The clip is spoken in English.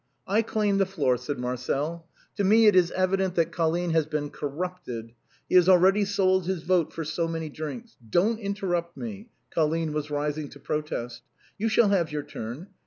*" I claim the floor," said Marcel. " To me it is evident that Colline has been corrupted; he has already sold his vote for so many drinks. Don't interrupt me! (Colline was rising to protest) you shall have your turn.